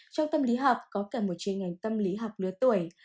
trong tâm lý học có cả một chuyên ngành tâm lý học lứa tuổi